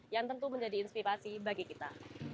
yang tentu menjadi inspirasi bagi kita